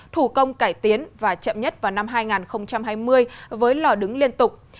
thủ công cải tiến và chậm nhất vào năm hai nghìn hai mươi với lò đứng liên tục